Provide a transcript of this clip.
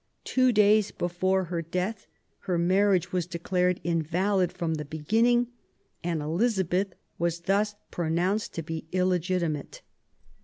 Two days before her death her marriage was declared invalid from the beginning, and Elizabeth was thus pronounced to be illegitimate.